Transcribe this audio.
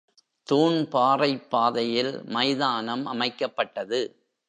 தூண்பாறைப் பாதையில் மைதானம் அமைக்கப்பட்டது.